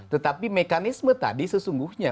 tetapi mekanisme tadi sesungguhnya